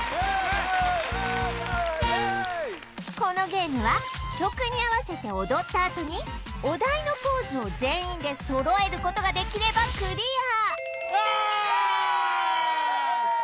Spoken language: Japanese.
このゲームは曲に合わせて踊ったあとにお題のポーズを全員で揃えることができればクリア